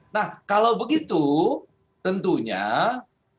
nah kalau begitu tentunya ketika melihat teman teman yang lain di sini